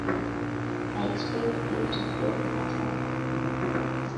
I expect you to feel flattered.